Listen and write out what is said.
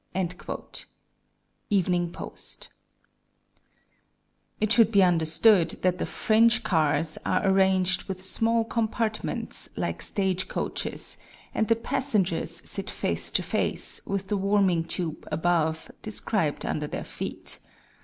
Evening Post. It should be understood that the French cars are arranged with small compartments like stage coaches, and the passengers sit face to face, with the warming tube above described under their feet.